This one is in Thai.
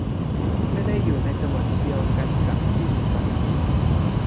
ไม่ได้อยู่ในจังหวัดเดียวกันกับที่อยู่ตอนนี้